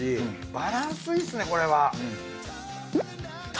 バランスいいですねこれは。